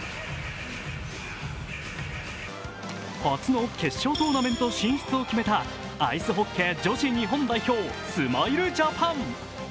初の決勝トーナメント進出を決めたアイスホッケー女子日本代表、スマイルジャパン。